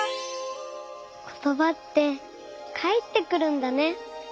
ことばってかえってくるんだね。